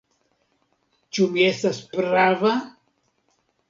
Ĉu mi estas prava?"